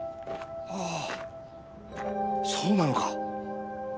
ああそうなのか！